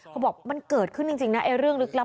บอกมันเกิดขึ้นจริงนะไอ้เรื่องลึกลับ